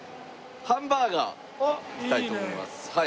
ハンバーガー行きたいと思います。